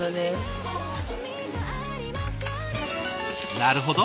なるほど。